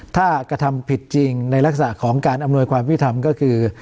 ถ้ากระทำผิดจริงในลักษณะของการอำนวยความวิธรรมก็คือ